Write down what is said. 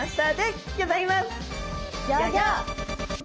ギョギョ！